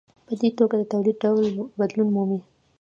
په دې توګه د تولید ډول بدلون مومي.